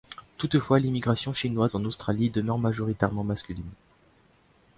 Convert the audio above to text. Toutefois, l'immigration chinoise en Australie demeure majoritairement masculine.